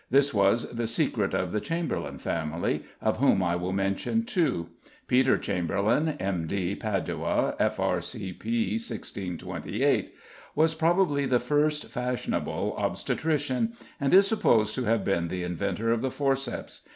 This was the secret of the Chamberlen family, of whom I will mention two. =Peter Chamberlen= (M.D. Padua, F.R.C.P. 1628) was probably the first fashionable obstetrician, and is supposed to have been the inventor of the forceps.